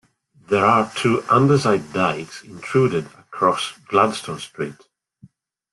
There are two andesite dykes intruded across Gladstone Street.